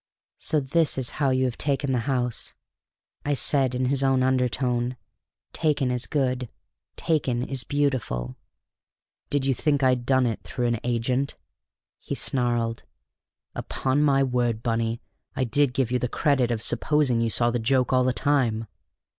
"So this is how you have taken the house," said I in his own undertone. "'Taken' is good; 'taken' is beautiful!" "Did you think I'd done it through an agent?" he snarled. "Upon my word, Bunny, I did you the credit of supposing you saw the joke all the time!"